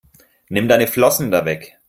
Nimm deine Flossen da weg!